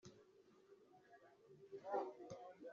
bwinshi bwo muri Bibiliya bwamaze gusohora